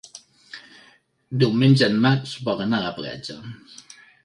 Diumenge en Max vol anar a la platja.